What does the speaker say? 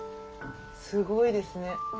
すごいですね。